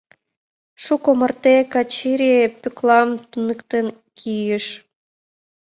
Шуко марте Качыри Пӧклам туныктен кийыш...